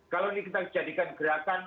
kalau ini kita jadikan gerakan